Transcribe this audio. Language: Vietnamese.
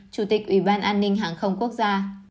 chủ tịch ủy ban an ninh hàng không quốc gia